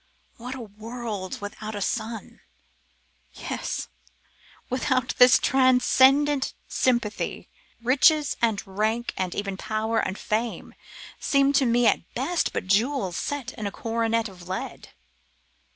What a world without a sun! Yes! without this transcendent sympathy, riches and rank, and even power and fame, seem to me at best but jewels set in a coronet of lead!